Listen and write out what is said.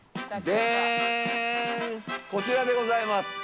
でーん、こちらでございます。